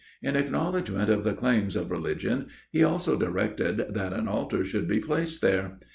In acknowledgment of the claims of religion, he also directed that an altar should be placed there.